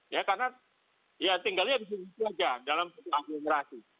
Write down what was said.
ya karena ya tinggalnya di sini saja dalam aglomerasi